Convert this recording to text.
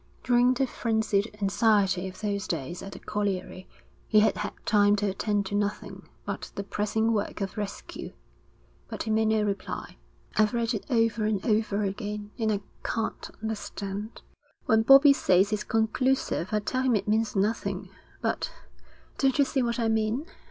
During the frenzied anxiety of those days at the colliery, he had had time to attend to nothing but the pressing work of rescue. But he made no reply. 'I've read it over and over again, and I can't understand. When Bobbie says it's conclusive, I tell him it means nothing but don't you see what I mean?